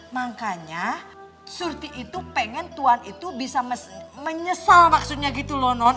makanya surti itu pengen tuan itu bisa menyesal maksudnya gitu loh nono